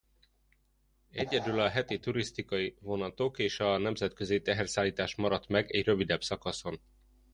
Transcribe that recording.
Egyedül a heti turisztikai vonatok és a nemzetközi teherszállítás maradt meg egy rövidebb szakaszon.